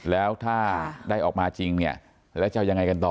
แล้วถ้าได้ออกมาจริงเนี่ยแล้วจะยังไงกันต่อ